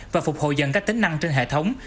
và phục hồi dần các tính năng trên hệ thống